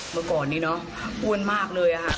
เมื่อก่อนนี้เนอะอ้วนมากเลยค่ะ